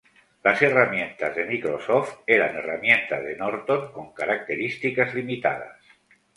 Las herramientas de Microsoft eran herramientas de Norton con características limitadas.